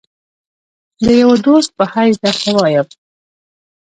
د یوه دوست په حیث درته وایم.